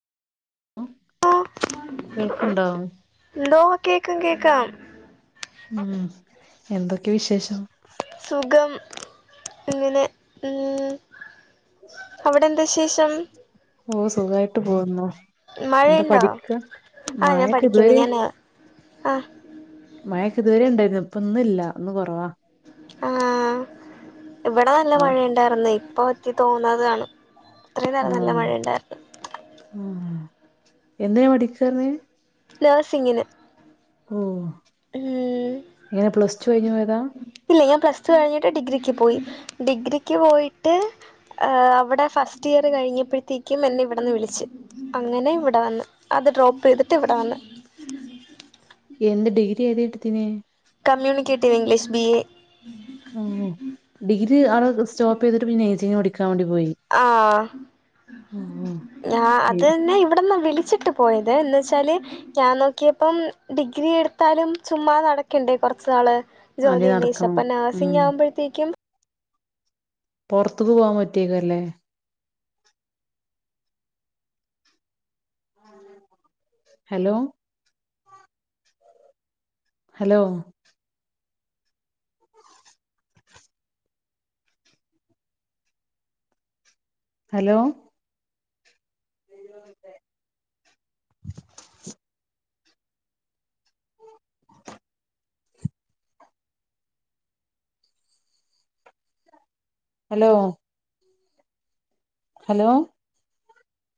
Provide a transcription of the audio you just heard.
Hello ആ കേൾക്കുണ്ടോ? എന്തോ കേക്കാം കേക്കാം ഉം എന്തൊക്കെ വിശേഷം? സുഖം... ! ഇങ്ങനെ ഉം അവിടെ എന്താ വിശേഷം? [inaudible] ഓ സുഖായിട്ട് പോകുന്നു! എന്താ മഴയിണ്ടോ പഠിക്ക ആഹാ ഞാൻ മഴൊക്കെ പഠിക്കുന്ന് ഇതുവരെ ഞാന് ആഹാ.. ! മഴക്കെ ഇതുവരെയിണ്ടായിരുന്നു ഇപ്പോന്ന്ഇല്ല ഇന്ന് കുറവാ. ആഹാ ഇവിടെ നല്ല ആഹ് മഴയുണ്ടാർന്നേ ഇപ്പ പറ്റി തോന്നതാണ്. ഇത്രേം നേരം നല്ല മഴയിണ്ടാന്ന്. ഉം എന്തേപടിക്കർന്ന്? നേഴ്സിംന്... ! ഓ എങ്ങനെ പ്ലസ്. ടു കഴിഞ്ഞുപോയതാ? ഇല്ല ഞാൻ പ്ലസ്. ടു കഴിഞ്ഞിട്ട് ഡിഗ്രിക്ക് പോയി, ഡിഗ്രിക്ക് പോയിട്ട്- അവിടെ ഫസ്റ്റ് ഇയർ കഴിഞ്ഞപ്പഴ്ത്തേക്കും എന്നെ ഇവിടെന്ന് വിളിച്ച്. അങ്ങനെ ഇവിടെ വന്ന്, അത് ഡ്രോപ്പ് ചെയ്തിട്ട് ഇവിടെ വന്ന്. എന്ത് ഡിഗ്രി ഏത് എടിത്തിന്? Communicative English B. എ ഓ ഡിഗ്രി ആള് സ്റ്റോപ്പ് ചെയ്തിട്ട്, പിന്നെ നഴ്സിംഗ് പഠിക്കാൻ വേണ്ടി പോയി. ആഹാ ഓ ഞാൻ അതെന്നെ ഇവിടെന്ന് വിളിച്ചിട്ട് പോയി. പോയത് എന്നച്ചാല്, ഞാൻ നോക്കിയപ്പം ഡിഗ്രി- എടുത്താലും ചുമ്മാ നടക്കണ്ടേ കൊറച്ച് നാള്. അതേ ജോലിഅന്വേഷിച്ച് നടക്കണം അപ്പ ഉം നേഴ്സിംഗ് ആകുമ്പഴ്ത്തേക്കും, പൊറത്തത് പോകാൻ പറ്റിതല്ലേ. Hello.. ! Hello.. ! [inaudible] Hello.. ! [inaudible] Hello... ! Hello... !